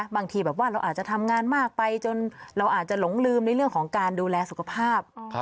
บางทีแบบว่าเราอาจจะทำงานมากไปจนเราอาจจะหลงลืมในเรื่องของการดูแลสุขภาพ